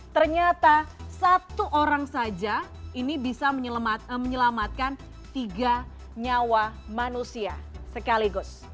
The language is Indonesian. ternyata satu orang saja ini bisa menyelamatkan tiga nyawa manusia sekaligus